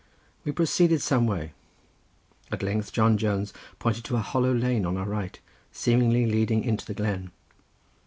We proceeded some way. At length John Jones pointed to a hollow lane on our right, seemingly leading into the glen.